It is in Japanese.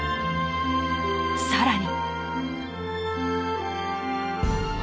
更に。